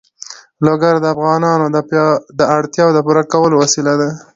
لوگر د افغانانو د اړتیاوو د پوره کولو وسیله ده.